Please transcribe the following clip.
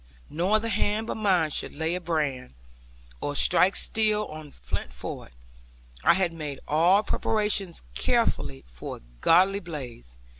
No other hand but mine should lay a brand, or strike steel on flint for it; I had made all preparations carefully for a goodly blaze.